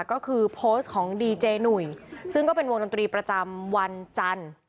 ก็คือโพสต์ของดีเจหนุ่ยซึ่งก็เป็นวงดนตรีประจำวันจันทร์